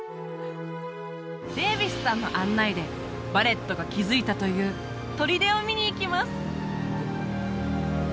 デーヴィスさんの案内でヴァレットが築いたという砦を見に行きます！